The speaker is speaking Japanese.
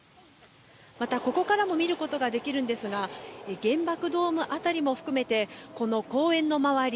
また、ここからも見ることができるんですが原爆ドーム辺りも含めてこの公園の周り